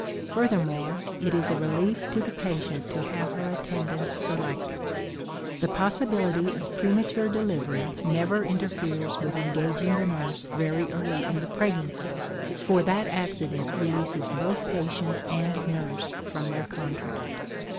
Furthermore, it is a relief to the patient to have her attendants selected. The possibility of premature delivery never interferes with engaging the nurse very early in pregnancy, for that accident releases both patient and nurse from their contract.